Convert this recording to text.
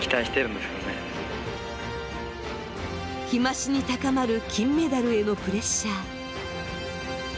日増しに高まる金メダルへのプレッシャー。